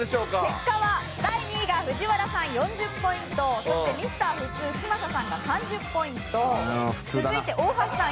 結果は第２位が藤原さん４０ポイントそしてＭｒ．普通嶋佐さんが３０ポイント続いて大橋さん